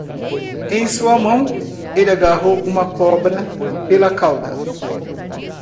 Em sua mão? ele agarrou uma cobra pela cauda.